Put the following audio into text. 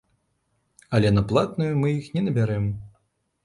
Але на платную мы іх не набярэм.